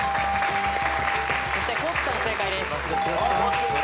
そして地さん正解です。